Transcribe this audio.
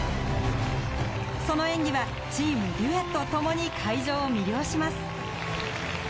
その演技はチームデュエット共に会場を魅了します。